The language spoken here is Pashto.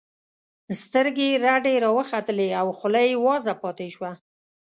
سترګې یې رډې راوختلې او خوله یې وازه پاتې شوه